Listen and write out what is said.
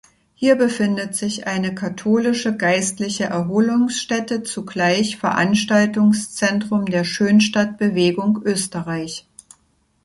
Hier befindet sich eine katholische geistliche Erholungsstätte, zugleich Veranstaltungszentrum der Schönstattbewegung Österreich.